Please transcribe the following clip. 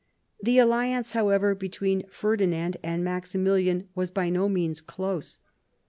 The alliance, however, between Ferdinand and Maximilian was by no means close.